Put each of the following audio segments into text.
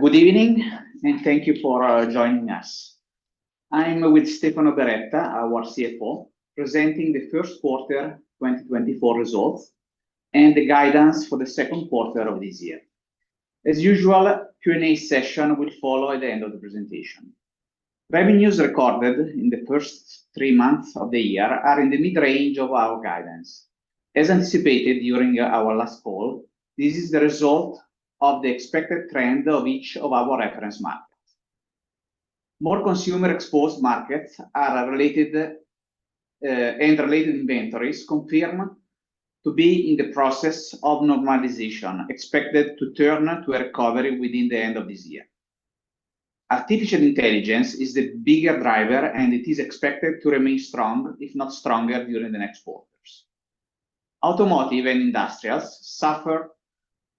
Good evening, and thank you for joining us. I'm with Stefano Beretta, our CFO, presenting the first quarter 2024 results and the guidance for the second quarter of this year. As usual, Q&A session will follow at the end of the presentation. Revenues recorded in the first three months of the year are in the mid-range of our guidance. As anticipated during our last call, this is the result of the expected trend of each of our reference markets. More consumer-exposed markets are correlated, and related inventories confirm to be in the process of normalization, expected to turn to a recovery within the end of this year. Artificial intelligence is the bigger driver, and it is expected to remain strong, if not stronger, during the next quarters. Automotive and industrials suffer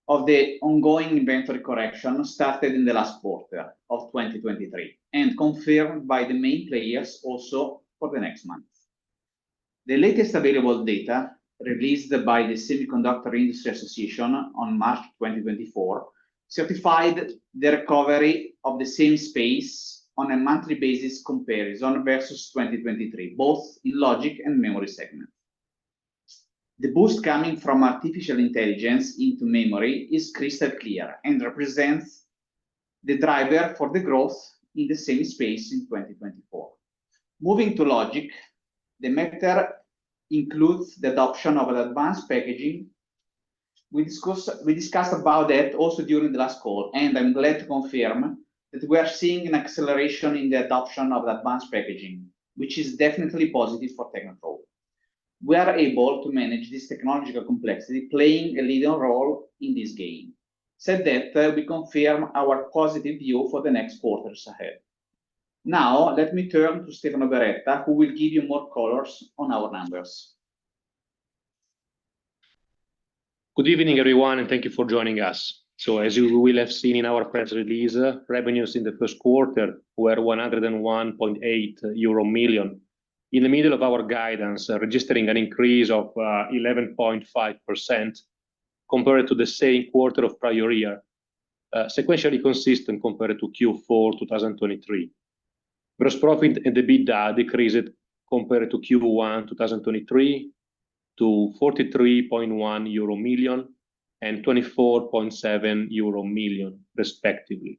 of the ongoing inventory correction started in the last quarter of 2023, and confirmed by the main players also for the next months. The latest available data, released by the Semiconductor Industry Association on March 2024, certified the recovery of the semi space on a monthly basis comparison versus 2023, both in logic and memory segments. The boost coming from artificial intelligence into memory is crystal clear and represents the driver for the growth in the semi space in 2024. Moving to logic, the market includes the adoption of advanced packaging. We discuss, we discussed about that also during the last call, and I'm glad to confirm that we are seeing an acceleration in the adoption of advanced packaging, which is definitely positive for Technoprobe. We are able to manage this technological complexity, playing a leading role in this game. Said that, we confirm our positive view for the next quarters ahead. Now, let me turn to Stefano Beretta, who will give you more colors on our numbers. Good evening, everyone, and thank you for joining us. So as you will have seen in our press release, revenues in the first quarter were 101.8 million euro. In the middle of our guidance, registering an increase of 11.5% compared to the same quarter of prior year, sequentially consistent compared to Q4 2023. Gross profit and the EBITDA decreased compared to Q1 2023, to 43.1 million euro and 24.7 million euro respectively,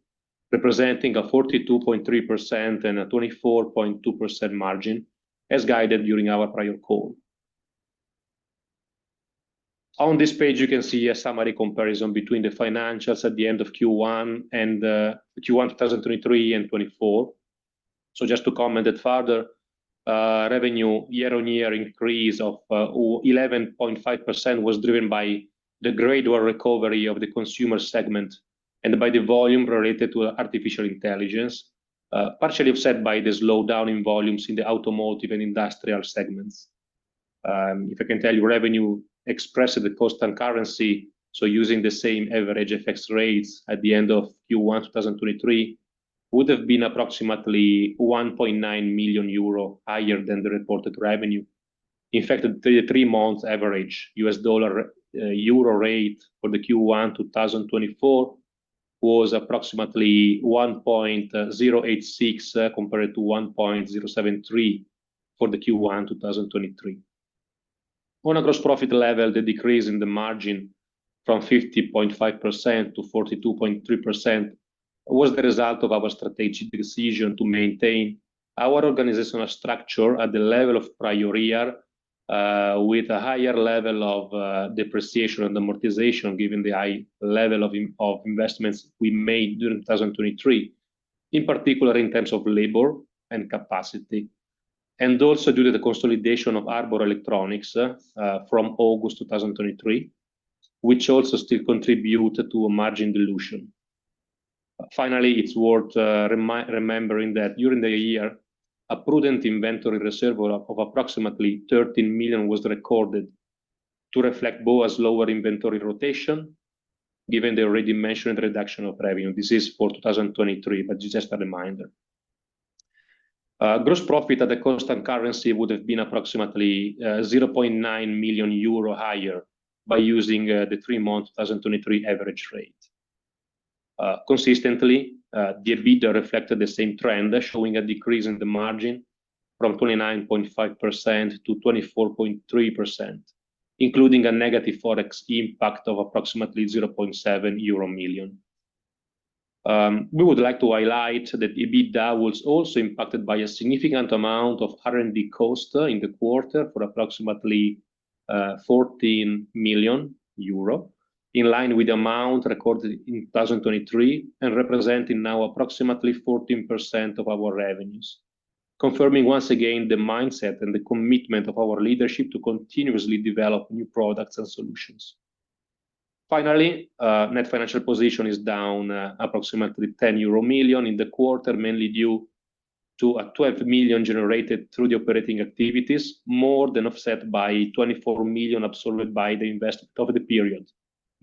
representing a 42.3% and a 24.2% margin, as guided during our prior call. On this page, you can see a summary comparison between the financials at the end of Q1 and Q1 2023 and 2024. So just to comment it further, revenue year-on-year increase of 11.5% was driven by the gradual recovery of the consumer segment and by the volume related to artificial intelligence, partially offset by the slowdown in volumes in the automotive and industrial segments. If I can tell you, revenue expressed at the constant currency, so using the same average FX rates at the end of Q1 2023, would have been approximately 1.9 million euro higher than the reported revenue. In fact, the three-month average US dollar-euro rate for the Q1 2024 was approximately 1.086, compared to 1.073 for the Q1 2023. On a gross profit level, the decrease in the margin from 50.5%-42.3% was the result of our strategic decision to maintain our organizational structure at the level of prior year, with a higher level of depreciation and amortization, given the high level of investments we made during 2023, in particular, in terms of labor and capacity, and also due to the consolidation of Harbor Electronics from August 2023, which also still contributes to a margin dilution. Finally, it's worth remembering that during the year, a prudent inventory reserve of approximately 13 million was recorded to reflect both a lower inventory rotation, given the already mentioned reduction of revenue. This is for 2023, but just a reminder. Gross profit at a constant currency would have been approximately 0.9 million euro higher by using the three-month 2023 average rate. Consistently, the EBITDA reflected the same trend, showing a decrease in the margin from 29.5%-24.3%, including a negative forex impact of approximately 0.7 million euro. We would like to highlight that EBITDA was also impacted by a significant amount of R&D costs in the quarter for approximately 14 million euro, in line with the amount recorded in 2023, and representing now approximately 14% of our revenues. Confirming once again the mindset and the commitment of our leadership to continuously develop new products and solutions. Finally, net financial position is down approximately 10 million euro in the quarter, mainly due to 12 million generated through the operating activities, more than offset by 24 million absorbed by the investment over the period,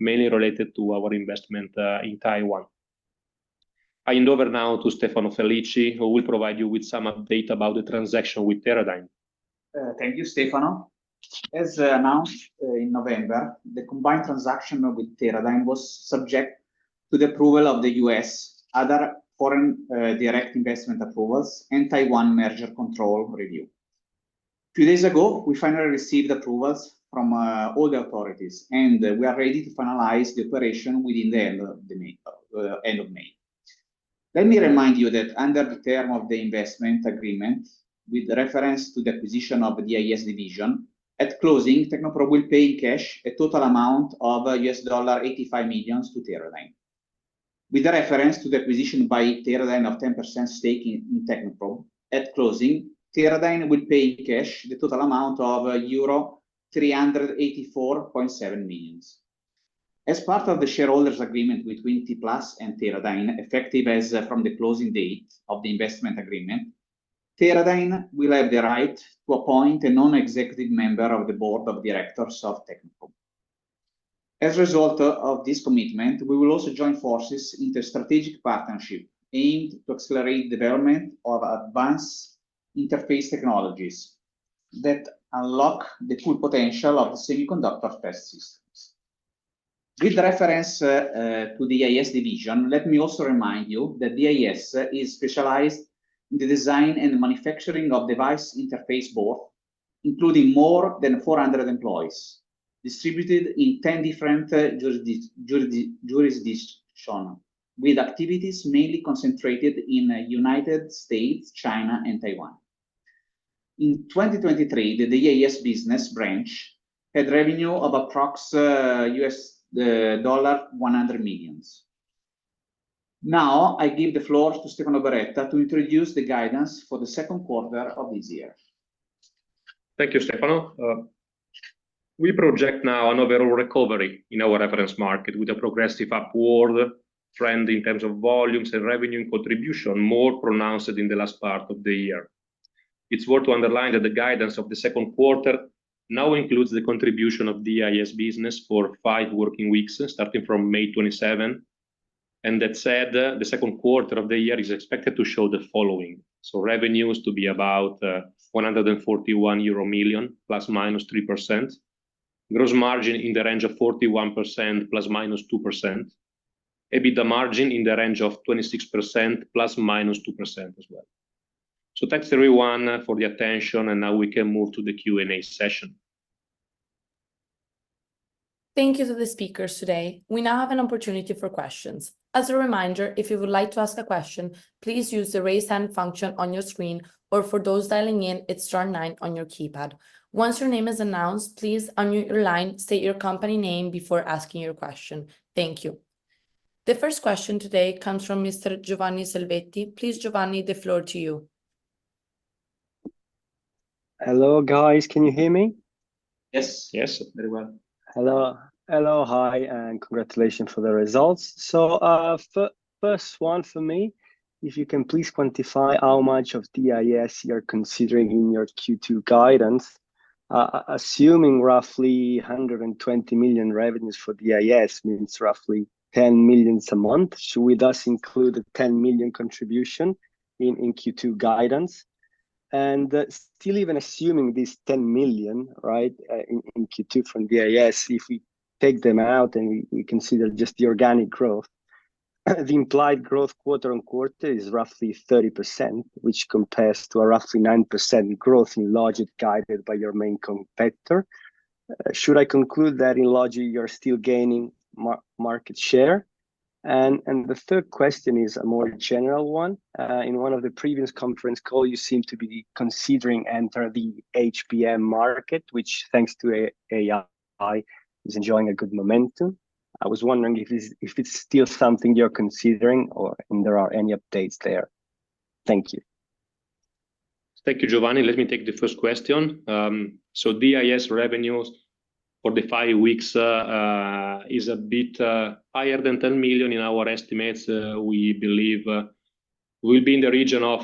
mainly related to our investment in Taiwan. I hand over now to Stefano Felici, who will provide you with some update about the transaction with Teradyne.... Thank you, Stefano. As announced in November, the combined transaction with Teradyne was subject to the approval of the U.S., other foreign direct investment approvals, antitrust merger control review. Two days ago, we finally received approvals from all the authorities, and we are ready to finalize the operation within the end of May. Let me remind you that under the term of the investment agreement, with reference to the acquisition of the DIS division, at closing, Technoprobe will pay cash a total amount of $85 million to Teradyne. With reference to the acquisition by Teradyne of 10% stake in Technoprobe, at closing, Teradyne will pay cash the total amount of euro 384.7 million. As part of the shareholders agreement between T-Plus and Teradyne, effective as from the closing date of the investment agreement, Teradyne will have the right to appoint a non-executive member of the board of directors of Technoprobe. As a result of this commitment, we will also join forces in the strategic partnership aimed to accelerate development of advanced interface technologies that unlock the full potential of the semiconductor test systems. With reference to the DIS division, let me also remind you that DIS is specialized in the design and manufacturing of device interface boards, including more than 400 employees, distributed in 10 different jurisdictions, with activities mainly concentrated in United States, China, and Taiwan. In 2023, the DIS business branch had revenue of approximately $100 million. Now, I give the floor to Stefano Beretta to introduce the guidance for the second quarter of this year. Thank you, Stefano. We project now an overall recovery in our reference market with a progressive upward trend in terms of volumes and revenue contribution, more pronounced in the last part of the year. It's worth to underline that the guidance of the second quarter now includes the contribution of the DIS business for five working weeks, starting from May 27th. And that said, the second quarter of the year is expected to show the following: revenues to be about 141 million euro ±3%. Gross margin in the range of 41% ±2%. EBITDA margin in the range of 26% ±2% as well. So thanks, everyone, for the attention, and now we can move to the Q&A session. Thank you to the speakers today. We now have an opportunity for questions. As a reminder, if you would like to ask a question, please use the Raise Hand function on your screen, or for those dialing in, it's star nine on your keypad. Once your name is announced, please unmute your line, state your company name before asking your question. Thank you. The first question today comes from Mr. Giovanni Selvetti. Please, Giovanni, the floor to you. Hello, guys. Can you hear me? Yes. Yes, very well. Hello. Hello, hi, and congratulations for the results. So, first one for me, if you can please quantify how much of DIS you're considering in your Q2 guidance, assuming roughly 120 million revenues for DIS means roughly 10 million a month, should we thus include a 10 million contribution in Q2 guidance? And, still even assuming this 10 million, right, in Q2 from DIS, if we take them out and we consider just the organic growth, the implied growth quarter-over-quarter is roughly 30%, which compares to a roughly 9% growth in logic, guided by your main competitor. Should I conclude that in logic, you're still gaining market share? And, the third question is a more general one. In one of the previous conference call, you seem to be considering enter the HBM market, which, thanks to AI, is enjoying a good momentum. I was wondering if it's, if it's still something you're considering or if there are any updates there. Thank you. Thank you, Giovanni. Let me take the first question. So DIS revenues for the five weeks is a bit higher than 10 million in our estimates. We believe we'll be in the region of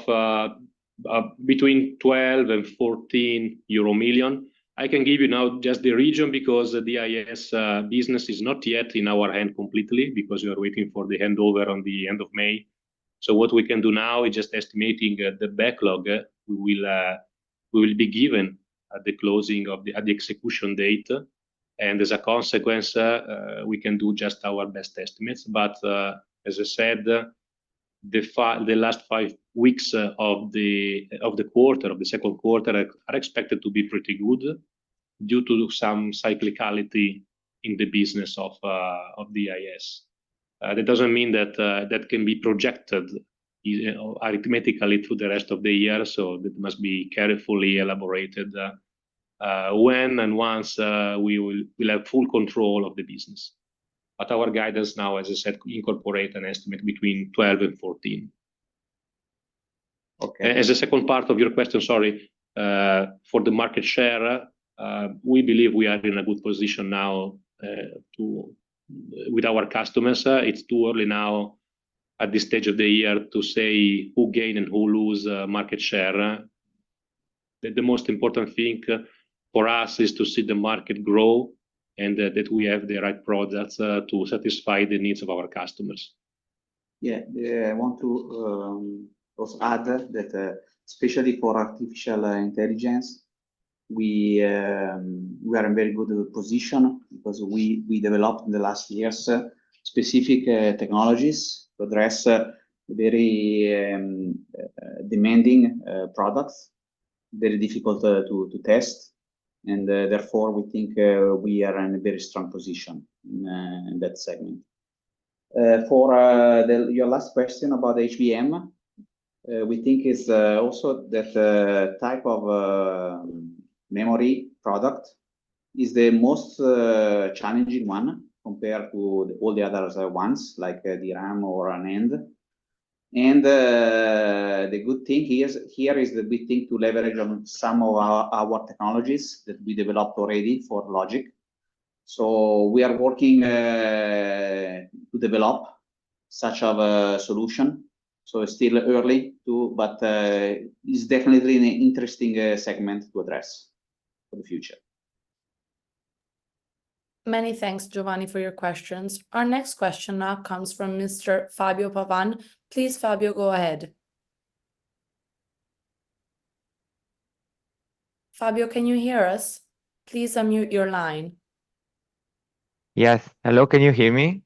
between 12 million and 14 million euro. I can give you now just the region, because the DIS business is not yet in our hand completely, because we are waiting for the handover on the end of May. So what we can do now is just estimating the backlog we will be given at the closing of the... at the execution date. And as a consequence, we can do just our best estimates. But, as I said, the last five weeks of the quarter, of the second quarter, are expected to be pretty good due to some cyclicality in the business of DIS. That doesn't mean that that can be projected arithmetically through the rest of the year, so that must be carefully elaborated when and once we'll have full control of the business. But our guidance now, as I said, incorporate an estimate between 12 and 14. Okay. As a second part of your question, sorry, for the market share, we believe we are in a good position now, to... with our customers. It's too early now at this stage of the year to say who gain and who lose, market share. The most important thing for us is to see the market grow and, that we have the right products, to satisfy the needs of our customers.... Yeah, yeah, I want to also add that, that, especially for artificial intelligence, we, we are in very good position because we, we developed in the last years, specific technologies to address very demanding products, very difficult to test. And therefore, we think we are in a very strong position in that segment. For your last question about HBM, we think is also that type of memory product is the most challenging one compared to all the other ones, like DRAM or NAND. And the good thing here is that we think to leverage on some of our technologies that we developed already for logic. So we are working to develop such of a solution, so it's still early to... It's definitely an interesting segment to address for the future. Many thanks, Giovanni, for your questions. Our next question now comes from Mr. Fabio Pavan. Please, Fabio, go ahead. Fabio, can you hear us? Please unmute your line. Yes. Hello, can you hear me?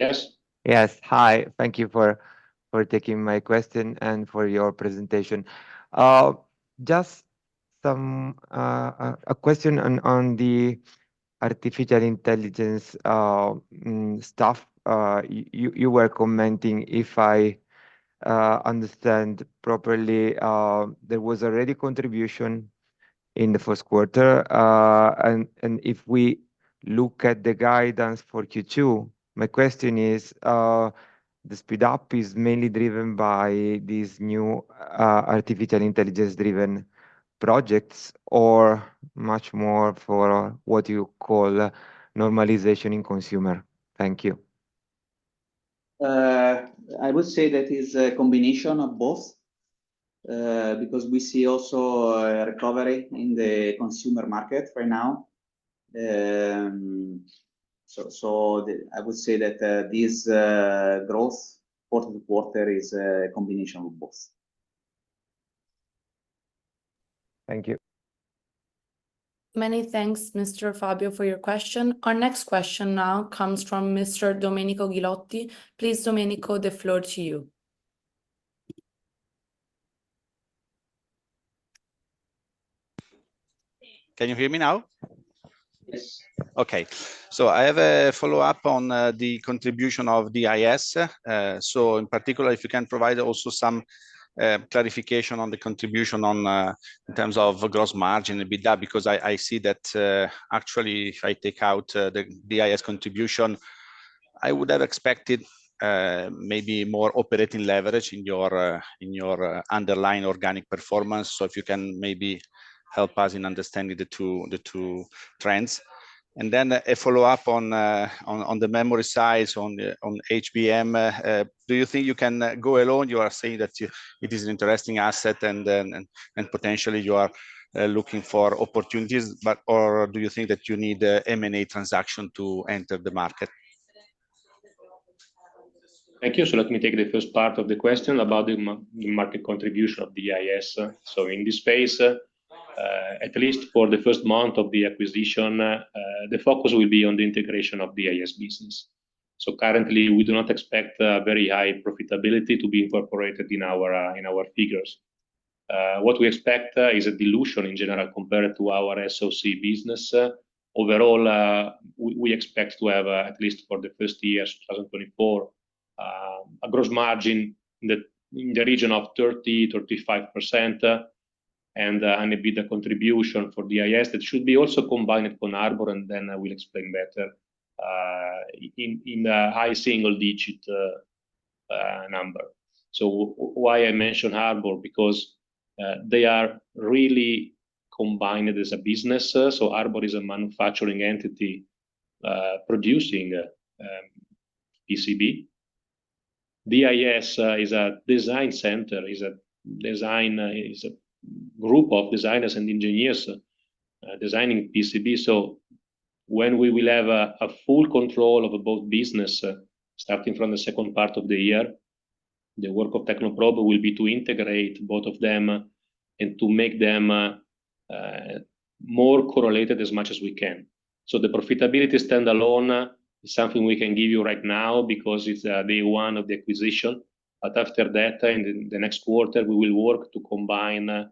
Yes. Yes. Hi, thank you for taking my question and for your presentation. Just a question on the artificial intelligence stuff. You were commenting, if I understand properly, there was already contribution in the first quarter. And if we look at the guidance for Q2, my question is, the speed up is mainly driven by these new artificial intelligence-driven projects, or much more for what you call normalization in consumer? Thank you. I would say that is a combination of both, because we see also a recovery in the consumer market right now. I would say that this growth quarter-to-quarter is a combination of both. Thank you. Many thanks, Mr. Fabio, for your question. Our next question now comes from Mr. Domenico Ghilotti. Please, Domenico, the floor to you. Can you hear me now? Yes. Okay, so I have a follow-up on the contribution of DIS. So in particular, if you can provide also some clarification on the contribution in terms of gross margin EBITDA, because I see that actually, if I take out the DIS contribution, I would have expected maybe more operating leverage in your underlying organic performance. So if you can maybe help us in understanding the two trends. And then a follow-up on the memory size on HBM. Do you think you can go alone? You are saying that it is an interesting asset and then potentially you are looking for opportunities, but or do you think that you need a M&A transaction to enter the market? Thank you. So let me take the first part of the question about the market contribution of DIS. In this space, at least for the first month of the acquisition, the focus will be on the integration of DIS business. Currently, we do not expect very high profitability to be incorporated in our figures. What we expect is a dilution in general compared to our SoC business. Overall, we expect to have, at least for the first year, 2024, a gross margin in the region of 30%-35%, and an EBITDA contribution for DIS, that should be also combined with Harbor, and then I will explain better in a high single-digit number. Why I mention Harbor? Because they are really combined as a business. So Harbor is a manufacturing entity, producing PCB. DIS is a design center, is a design, is a group of designers and engineers, designing PCB. So when we will have a full control of both business, starting from the second part of the year, the work of Technoprobe will be to integrate both of them and to make them more correlated as much as we can. So the profitability standalone is something we can give you right now because it's day one of the acquisition. But after that, in the next quarter, we will work to combine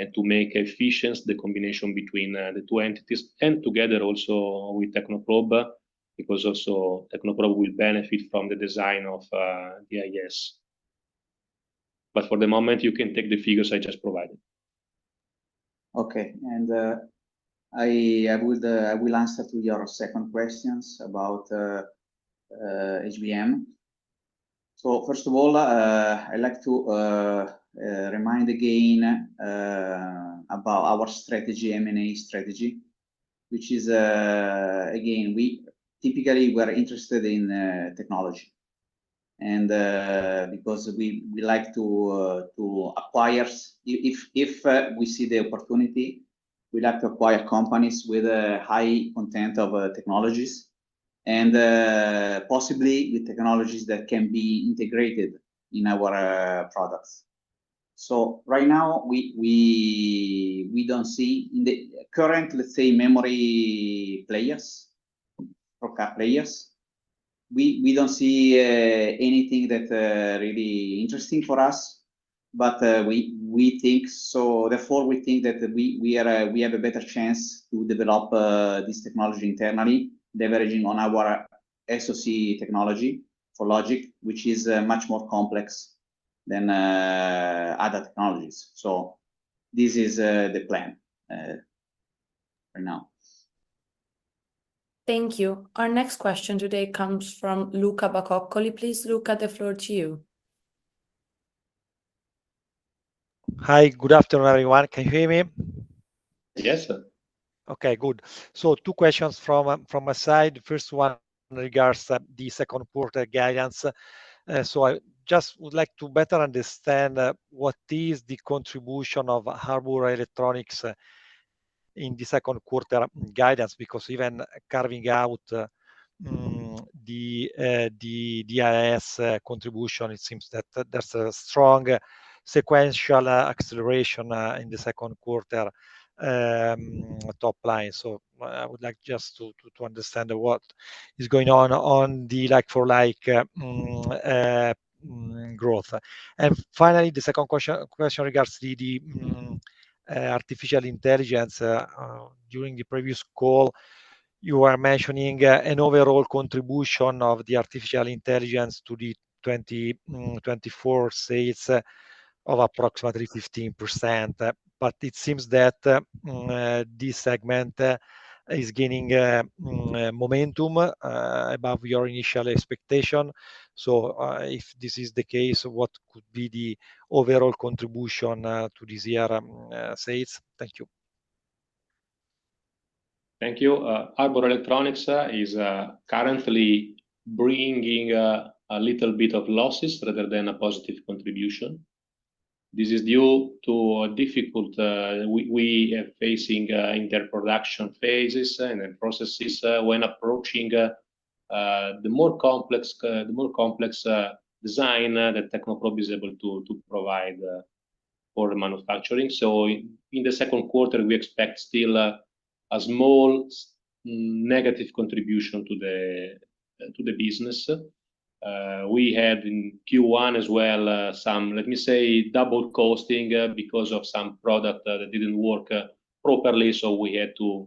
and to make efficient the combination between the two entities, and together also with Technoprobe, because also Technoprobe will benefit from the design of DIS. But for the moment, you can take the figures I just provided. Okay. I will answer to your second questions about HBM. So first of all, I'd like to remind again about our strategy, M&A strategy, which is again, typically we are interested in technology, and because we like to acquire if we see the opportunity. We'd like to acquire companies with a high content of technologies, and possibly with technologies that can be integrated in our products. So right now, we don't see in the current, let's say, memory players or captive players, we don't see anything that really interesting for us. We think, so therefore, we think that we have a better chance to develop this technology internally, leveraging on our SoC technology for logic, which is much more complex than other technologies. So this is the plan for now. Thank you. Our next question today comes from Luca Bacoccoli. Please, Luca, the floor to you. Hi. Good afternoon, everyone. Can you hear me? Yes, sir. Okay, good. So two questions from my side. First one regards the second quarter guidance. So I just would like to better understand what is the contribution of Harbor Electronics in the second quarter guidance, because even carving out the DIS contribution, it seems that that's a strong sequential acceleration in the second quarter top line. So I would like just to understand what is going on on the like for like growth. And finally, the second question regards the artificial intelligence. During the previous call, you were mentioning an overall contribution of the artificial intelligence to the 2024 sales of approximately 15%. But it seems that this segment is gaining momentum above your initial expectation. So, if this is the case, what could be the overall contribution to this year sales? Thank you. Thank you. Harbor Electronics is currently bringing a little bit of losses rather than a positive contribution. This is due to a difficult we are facing in their production phases and in processes when approaching the more complex design that Technoprobe is able to provide for manufacturing. So in the second quarter, we expect still a small negative contribution to the business. We had in Q1 as well some, let me say, double costing because of some product that didn't work properly, so we had to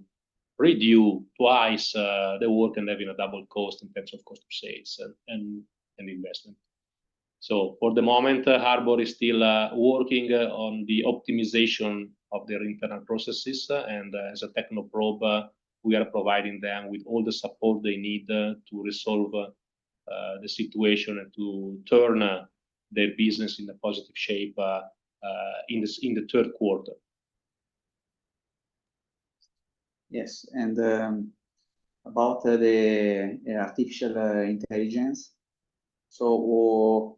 redo twice the work and having a double cost in terms of cost of sales and investment. So for the moment, Harbor is still working on the optimization of their internal processes, and as Technoprobe, we are providing them with all the support they need to resolve the situation and to turn their business in a positive shape in the third quarter. Yes, and about the artificial intelligence, so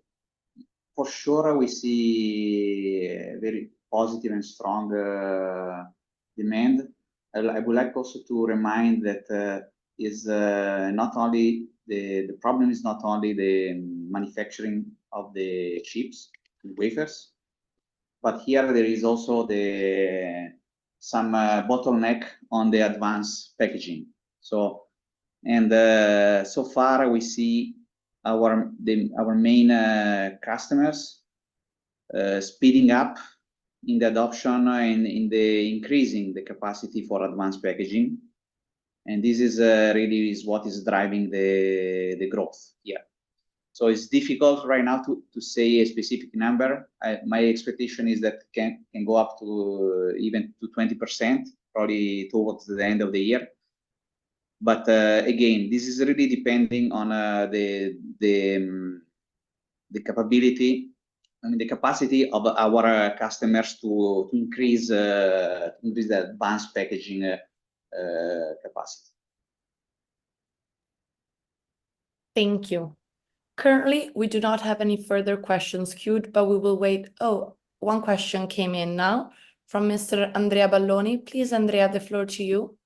for sure, we see very positive and strong demand. I would like also to remind that it is not only the... the problem is not only the manufacturing of the chips and wafers, but here there is also some bottleneck on the advanced packaging, so. And so far, we see our main customers speeding up in the adoption and in increasing the capacity for advanced packaging, and this really is what is driving the growth here. So it's difficult right now to say a specific number. My expectation is that it can go up to even to 20%, probably towards the end of the year. But, again, this is really depending on the capability, I mean, the capacity of our customers to increase the advanced packaging capacity. Thank you. Currently, we do not have any further questions queued, but we will wait... Oh, one question came in now from Mr. Andrea Balloni. Please, Andrea, the floor to you.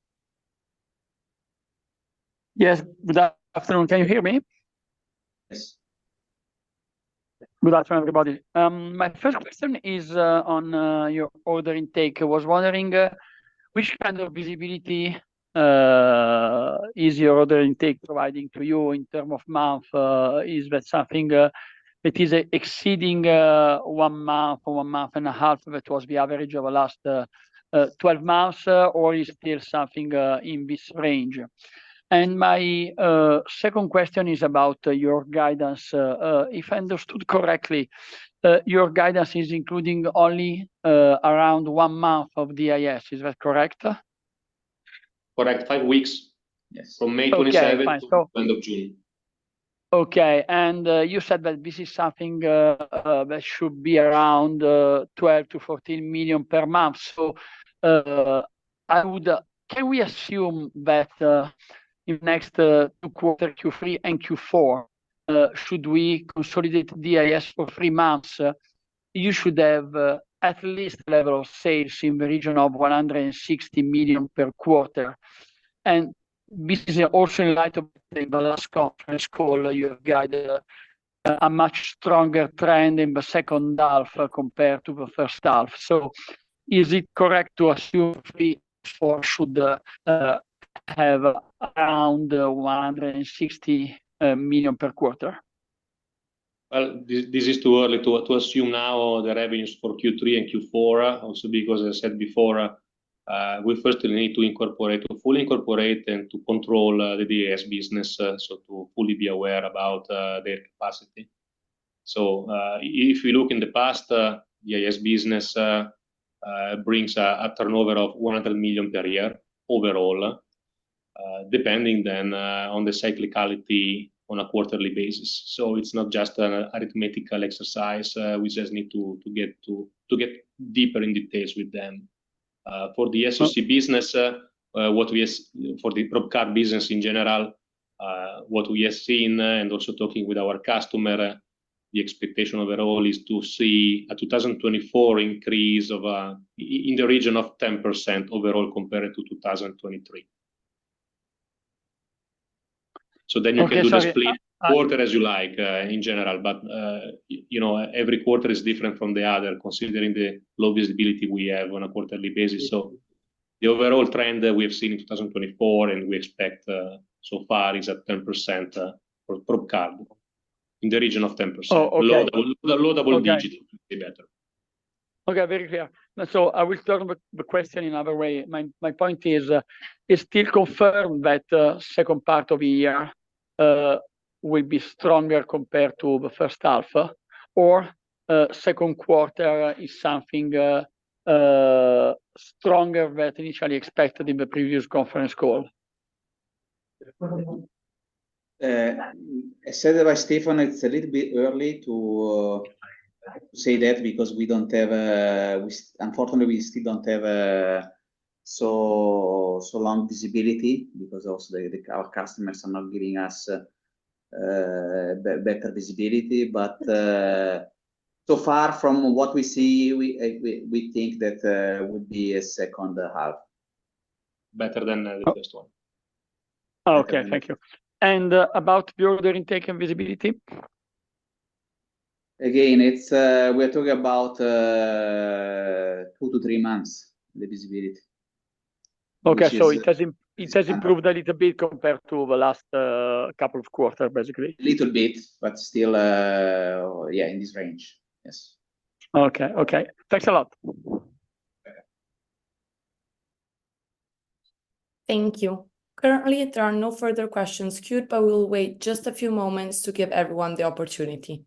Yes. Good afternoon. Can you hear me? Yes. Good afternoon, everybody. My first question is on your order intake. I was wondering which kind of visibility is your order intake providing to you in terms of months? Is that something that is exceeding one month or one month and a half, that was the average of the last 12 months? Or is still something in this range? And my second question is about your guidance. If I understood correctly, your guidance is including only around one month of DIS. Is that correct? Correct. 5 weeks- Yes... from May 27th- Okay, fine, so- To end of June. Okay. And, you said that this is something, that should be around 12-14 million per month. So, I would... Can we assume that, in next two quarter, Q3 and Q4... should we consolidate the DIS for three months, you should have, at least level of sales in the region of 160 million per quarter. And this is also in light of the last conference call, you have guided a much stronger trend in the second half, compared to the first half. So is it correct to assume three, four should have around 160 million per quarter? Well, this is too early to assume now the revenues for Q3 and Q4, also because as I said before, we first need to fully incorporate and to control the DIS business, so to fully be aware about their capacity. So, if you look in the past, the DIS business brings a turnover of 100 million per year overall, depending then on the cyclicality on a quarterly basis. So it's not just an arithmetical exercise, we just need to get deeper in details with them. For the SoC business, what we as... For the probe card business in general, what we have seen, and also talking with our customer, the expectation overall is to see a 2024 increase of in the region of 10% overall compared to 2023. So then you can do the split- Okay. - quarter as you like, in general. But, you know, every quarter is different from the other, considering the low visibility we have on a quarterly basis. So the overall trend that we have seen in 2024, and we expect, so far, is at 10%, for probe card. In the region of 10%. Oh, okay. A low double digit- Okay - would be better. Okay, very clear. So I will start with the question in another way. My point is, it's still confirmed that second part of the year will be stronger compared to the first half, or second quarter is something stronger than initially expected in the previous conference call? As said by Stefano, it's a little bit early to say that because, unfortunately, we still don't have such long visibility, because also our customers are not giving us better visibility. But so far from what we see, we think that would be a second half. Better than the first one. Okay, thank you. And, about the order intake and visibility? Again, it's we are talking about 2-3 months, the visibility. Okay. Which is- So it has improved a little bit compared to the last couple of quarters, basically? Little bit, but still, yeah, in this range. Yes. Okay, okay. Thanks a lot. Thank you. Currently, there are no further questions queued, but we'll wait just a few moments to give everyone the opportunity.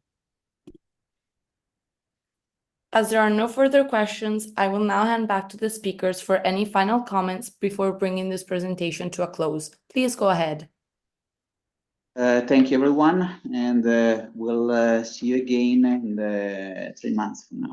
As there are no further questions, I will now hand back to the speakers for any final comments before bringing this presentation to a close. Please go ahead. Thank you, everyone, and we'll see you again in three months from now.